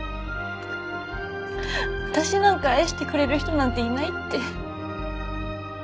私なんか愛してくれる人なんていないって。